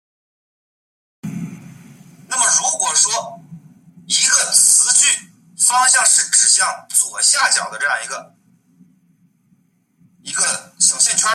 岩泽出生于群马县桐生市。